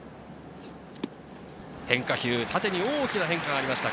変化球、縦に大きな変化がありました。